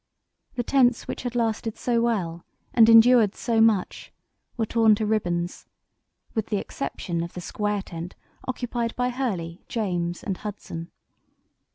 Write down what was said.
The tents which had lasted so well and endured so much were torn to ribbons, with the exception of the square tent occupied by Hurley, James, and Hudson.